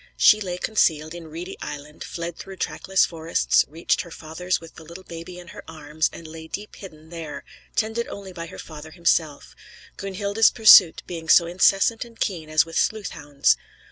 She lay concealed in reedy island, fled through trackless forests, reached her father's with the little baby in her arms, and lay deep hidden there; tended only by her father himself; Gunhild's pursuit being so incessant and keen as with sleuth hounds.